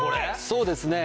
そうですね。